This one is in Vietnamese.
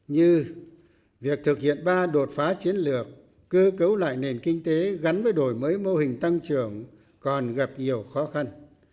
như việc thực hiện ba đột phá chiến lược cơ cấu lại nền kinh tế gắn với đổi mới mô hình tăng trưởng còn gặp nhiều khó khăn